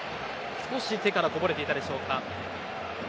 少し手からこぼれていたでしょうか。